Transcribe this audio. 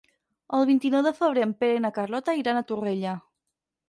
El vint-i-nou de febrer en Pere i na Carlota iran a Torrella.